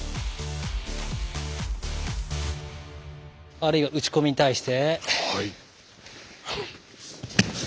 あるいは打ち込みに対して。